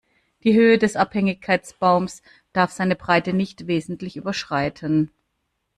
Die Höhe des Abhängigkeitsbaums darf seine Breite nicht wesentlich überschreiten.